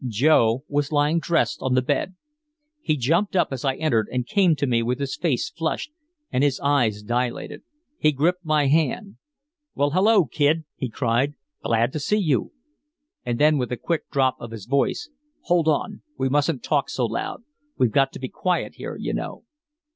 Joe was lying dressed on the bed. He jumped up as I entered and came to me with his face flushed and his eyes dilated. He gripped my hand. "Why, hello, Kid," he cried. "Glad to see you!" And then with a quick drop of his voice: "Hold on, we mustn't talk so loud, we've got to be quiet here, you know."